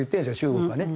中国はね。